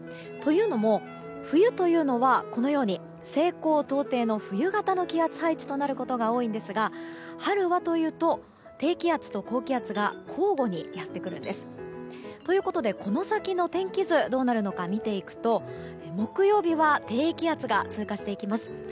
というのも、冬というのは西高東低の冬型の気圧配置となることが多いんですが春はというと低気圧と高気圧が交互にやってくるんです。ということで、この先の天気図どうなるのか見ていくと木曜日は低気圧が通過していきます。